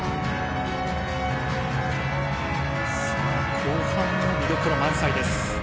後半も見どころ満載です。